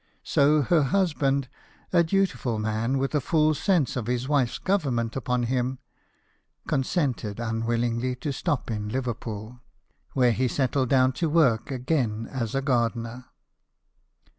So her husband, a dutiful man with a full sense of his wife's government upon him, consented unwillingly to stop in Liverpool, where he settled down to work again as a gar dener.